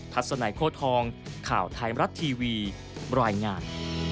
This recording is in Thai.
ทัศน์ไหนโค้ดทองข่าวไทยมรัฐทีวีบร้อยงาน